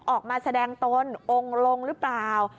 ออกมาแสดงตนองค์ลงหรือเปล่า